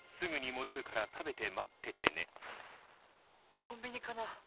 コンビニかな？